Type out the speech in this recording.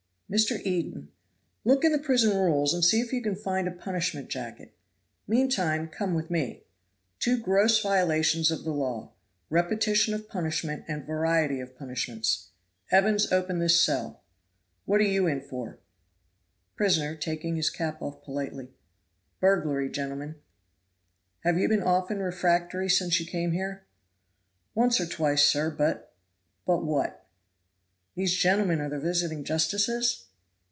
Mr. Eden. "Look in the prison rules and see if you can find a punishment jacket; meantime come with me. Two gross violations of the law repetition of punishment and variety of punishments. Evans, open this cell. What are you in for?" Prisoner (taking off his cap politely). "Burglary, gentlemen." "Have you been often refractory since you came here?" "Once or twice, sir. But " "But what?" "These gentlemen are the visiting justices?"